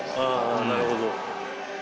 あなるほど。